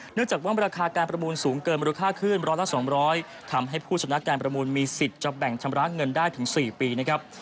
จากว่าราคาการประมูลสูงเกินมูลค่าขึ้นร้อยละ๒๐๐ทำให้ผู้ชนะการประมูลมีสิทธิ์จะแบ่งชำระเงินได้ถึง๔ปีนะครับ